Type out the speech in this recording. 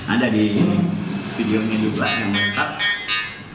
ada di videonya juga yang lengkap